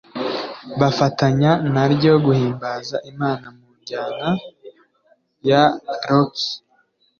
bafatanya naryo guhimbaza Imana mu njyana ya Rock